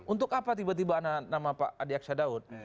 untuk apa tiba tiba ada nama pak adi aksyadaud